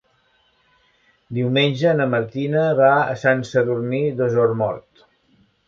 Diumenge na Martina va a Sant Sadurní d'Osormort.